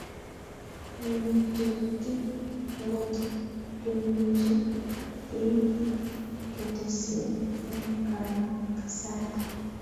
Nyolu kechokchi angot kemoche keit ketesyet eng kasarta.